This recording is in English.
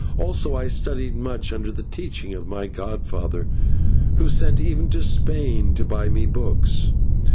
Also I studied much under the teaching of my godfather, who sent even to Spain to buy me books.